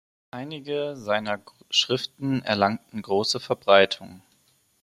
Einige seiner Schriften erlangten große Verbreitung.